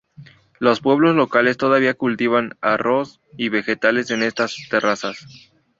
Los pueblos locales todavía cultivan arroz y vegetales en estas terrazas.